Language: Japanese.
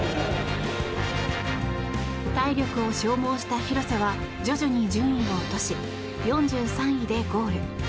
体力を消耗した廣瀬は徐々に順位を落とし４３位でゴール。